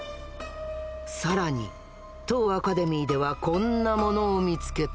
更に当アカデミーではこんなものを見つけた。